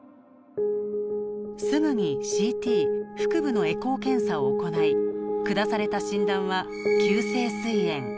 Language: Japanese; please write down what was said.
すぐにＣＴ腹部のエコー検査を行い下された診断は「急性すい炎」。